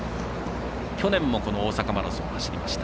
去年も大阪マラソン走りました。